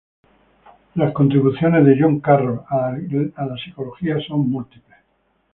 Las contribuciones de John Carroll a la psicología son múltiples.